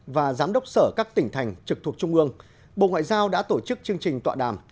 và giám đốc sở các tỉnh thành trực thuộc trung ương bộ ngoại giao đã tổ chức chương trình tọa đàm